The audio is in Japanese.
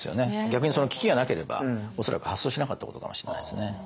逆にその危機がなければ恐らく発想しなかったことかもしれないですね。